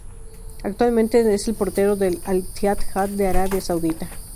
Actualmente es el portero del Al-Ittihad de Arabia Saudita.